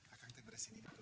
akang kita beres ini dulu